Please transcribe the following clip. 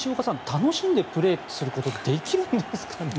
楽しんでプレーすることはできるんですかね？